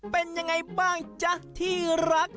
เป็นยังไงบ้างจ๊ะที่รัก